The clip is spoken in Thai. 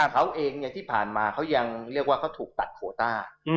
เขาเองที่ผ่านมาเขายังเรียกว่าเขาถูกตัดโคต้า